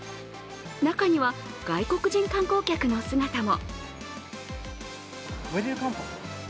中には外国人観光客の姿も。